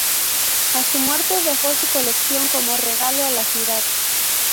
A su muerte dejó su colección como regalo a la ciudad.